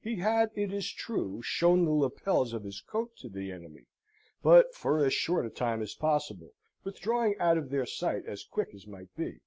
He had, it is true, shown the lapels of his coat to the enemy; but for as short a time as possible, withdrawing out of their sight as quick as might be.